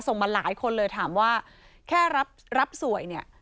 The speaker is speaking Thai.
มาหลายคนเลยถามว่าแค่รับสวยเนี่ย